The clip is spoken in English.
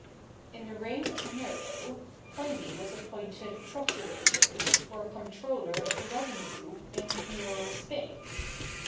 In the reign of Nero, Pliny was appointed procurator, or comptroller of the revenue, in Nearer Spain.